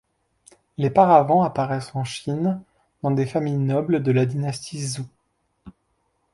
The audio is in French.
Les paravents apparaissent en Chine dans des familles nobles de la dynastie Zhou.